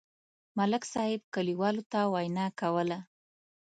ملک صاحب کلیوالو ته وینا کوله.